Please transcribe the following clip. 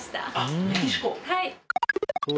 はい。